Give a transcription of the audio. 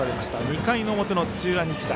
２回の表の土浦日大。